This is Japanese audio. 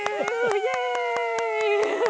イエーイ！